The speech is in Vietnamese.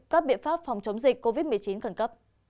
các biện pháp phòng chống dịch covid một mươi chín khẩn cấp